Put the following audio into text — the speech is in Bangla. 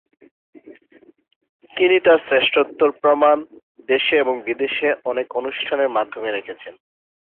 তিনি তার শ্রেষ্ঠত্বের প্রমাণ দেশে এবং বিদেশে অনেক অনুষ্ঠানের মাধ্যমে রেখেছেন।